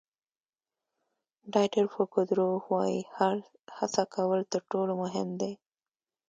ډایټر فوکودروف وایي هڅه کول تر ټولو مهم دي.